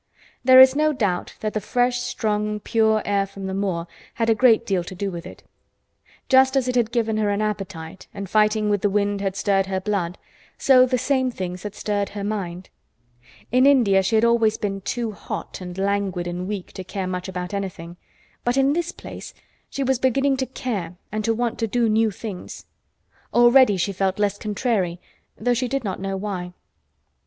There is no doubt that the fresh, strong, pure air from the moor had a great deal to do with it. Just as it had given her an appetite, and fighting with the wind had stirred her blood, so the same things had stirred her mind. In India she had always been too hot and languid and weak to care much about anything, but in this place she was beginning to care and to want to do new things. Already she felt less "contrary," though she did not know why.